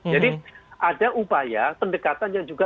jadi ada upaya pendekatan yang juga